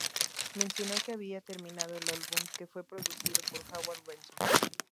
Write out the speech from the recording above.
Mencionó que habían terminado el álbum que fue producido por Howard Benson.